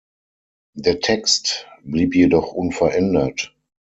Der Text blieb jedoch unverändert.